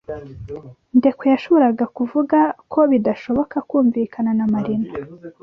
Ndekwe yashoboraga kuvuga ko bidashoboka kumvikana na Marina